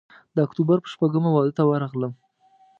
د اکتوبر پر شپږمه واده ته ورغلم.